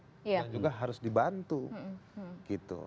dan juga harus dibantu